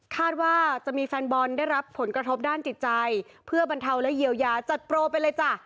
ว่าจะมีแฟนบอลได้รับผลกระทบด้านจิตใจเพื่อบรรเทาและเยียวยาจัดโปรไปเลยจ้ะ